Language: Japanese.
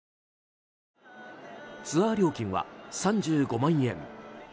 ツアー料金は３５万円。